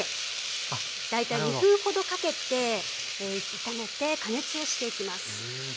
大体２分ほどかけて炒めて加熱をしていきます。